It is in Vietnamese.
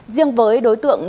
riêng với đối tượng